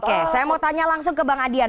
oke saya mau tanya langsung ke bang adian